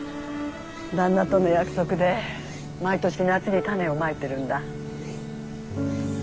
旦那との約束で毎年夏に種をまいてるんだ。